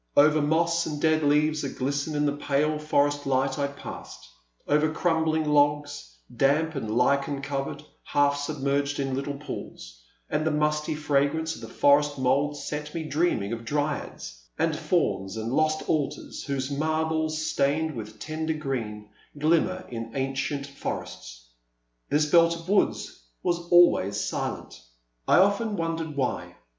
Over moss and dead leaves aglisten in the pale forest light I passed, — over crumbling logs, damp and lichen covered, half submerged in little pools ; and the musty fragrance of the forest mould set me dreaming of dryads, and fauns, and lost altars, whose marbles, stained with tender green, glimmer in ancient forests. This belt of woods was always silent ; I often 88 The Silent Land. wondered why.